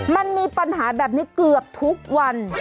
มันมีปัญหาแบบนี้เกือบทุกวัน